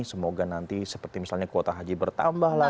semoga nanti seperti misalnya kuota haji bertambah lah